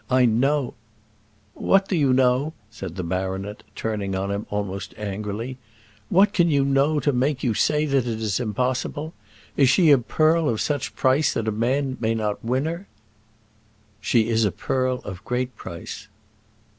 I know " "What do you know?" said the baronet, turning on him almost angrily. "What can you know to make you say that it is impossible? Is she a pearl of such price that a man may not win her?" "She is a pearl of great price."